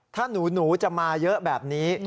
ถ้าหนูจะมาเยอะแบบนี้